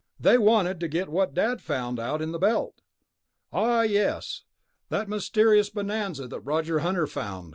"They wanted to get what Dad found, out in the Belt." "Ah, yes, that mysterious bonanza that Roger Hunter found.